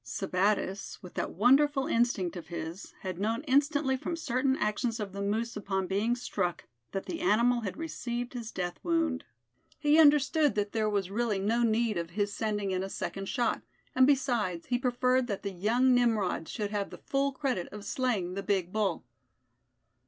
Sebattis, with that wonderful instinct of his, had known instantly from certain actions of the moose upon being struck, that the animal had received his death wound. He understood that there was really no need of his sending in a second shot; and besides, he preferred that the young Nimrod should have the full credit of slaying the big bull.